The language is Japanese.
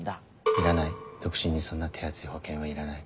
いらない独身にそんな手厚い保険はいらない。